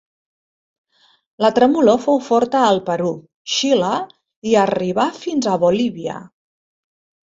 La tremolor fou forta al Perú, Xile i arribà fins a Bolívia.